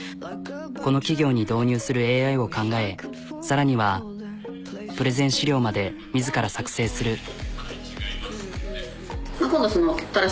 この企業に導入するＡＩを考えさらにはプレゼン資料まで自ら作成する。